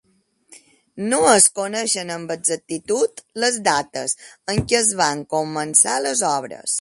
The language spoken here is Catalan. No es coneixen amb exactitud les dates en què es van començar les obres.